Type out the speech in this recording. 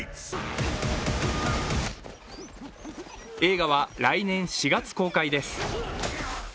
映画は来年４月公開です。